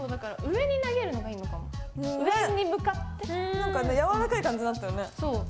なんかねやわらかい感じだったよね。